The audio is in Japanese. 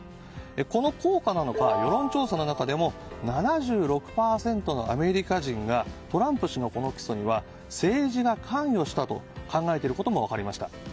この効果なのか世論調査の中でも７６％のアメリカ人がトランプ氏の起訴には政治が関与したと考えていることも分かりました。